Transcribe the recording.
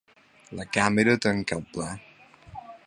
La càmera tanca el pla.